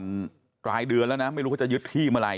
มันรายเดือนแล้วนะไม่รู้เขาจะยึดที่เมื่อไห